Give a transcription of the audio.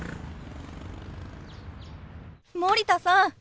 森田さん